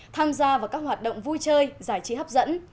tham gia vào các hoạt động vui chơi giải trí hấp dẫn